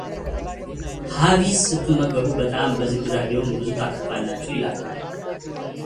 ሐፊዝ ስትመገቡ በጣም በዝግታ ቢሆን ብዙ ታተርፋላችሁ ይላሉ።